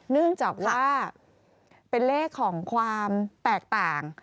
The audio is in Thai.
เนื่องจากว่าเป็นเลขของความแตกต่าง